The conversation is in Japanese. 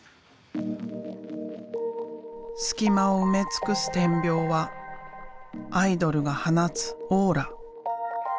隙間を埋め尽くす点描はアイドルが放つオーラ。